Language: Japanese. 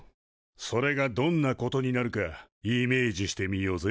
それがどんなことになるかイメージしてみようぜ。